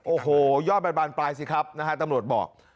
โอ้โหย่อบบรรบรรณปลายสิครับนะฮะตำรวจบอก